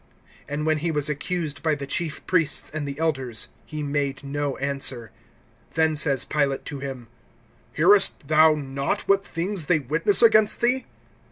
(12)And when he was accused by the chief priests and the elders, he made no answer. (13)Then says Pilate to him: Hearest thou not what things they witness against thee?